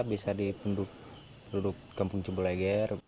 bisa di penduduk kampung cibuleger